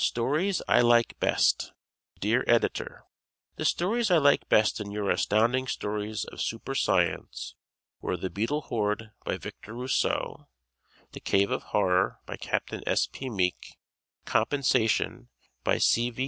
"Stories I Like Best " Dear Editor: The stories I like best in your Astounding Stories of Super science were "The Beetle Horde" by Victor Rousseau, "The Cave of Horror," by Capt. S. P. Meek, "Compensation," by C. V.